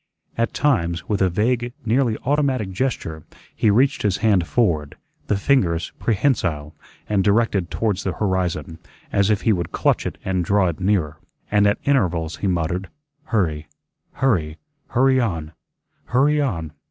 At times, with a vague, nearly automatic gesture, he reached his hand forward, the fingers prehensile, and directed towards the horizon, as if he would clutch it and draw it nearer; and at intervals he muttered, "Hurry, hurry, hurry on, hurry on."